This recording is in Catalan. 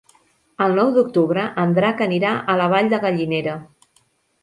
El nou d'octubre en Drac anirà a la Vall de Gallinera.